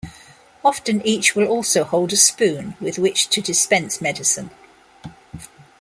Often each will also hold a spoon with which to dispense medicine.